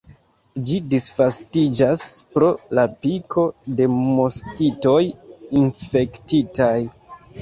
Ĝi disvastiĝas pro la piko de moskitoj infektitaj.